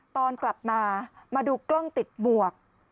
ตอนกลับมามาดูกล้องติดหมวก